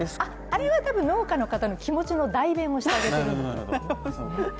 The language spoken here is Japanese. あれは農家の人の気持ちを代弁してあげてる。